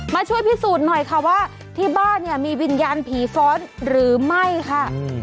มาช่วยพิสูจน์หน่อยค่ะว่าที่บ้านเนี่ยมีวิญญาณผีฟ้อนหรือไม่ค่ะ